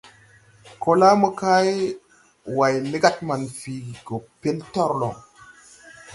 Ko la mokay, Way legad manfii gɔ pɛl torloŋ.